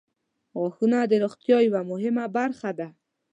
• غاښونه د روغتیا یوه مهمه برخه ده.